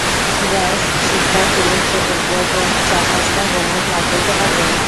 ব্র্যায, শিপটা কি এরকম চার-পাঁচটা বোমার ভার বইতে পারবে?